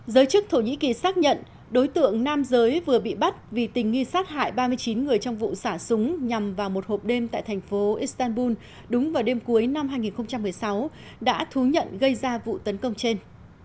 giới chức thổ nhĩ kỳ xác nhận đối tượng nam giới vừa bị bắt vì tình nghi sát hại ba mươi chín người trong vụ xả súng nhằm vào một hộp đêm tại thành phố istanbul đúng vào đêm cuối năm hai nghìn một mươi sáu đã thú nhận gây ra vụ tấn công trên